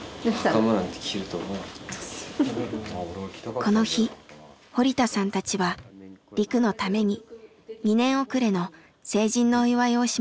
この日堀田さんたちはリクのために２年おくれの成人のお祝いをしました。